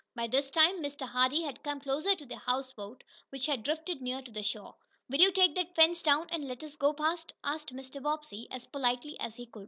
By this time Mr. Hardee had come closer to the houseboat, which had drifted near to the shore. "Will you take that fence down, and let us go past?" asked Mr. Bobbsey, as politely as he could.